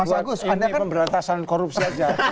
ini pemberantasan korupsi aja